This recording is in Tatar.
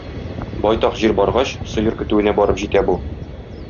Байтак җир баргач, сыер көтүенә барып җитә бу.